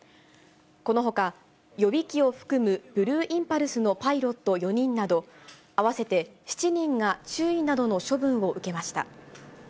このほか、予備機を含むブルーインパルスのパイロット４人など、合わせて７人が注意などの処分を受けました。